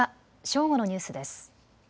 正午のニュースです。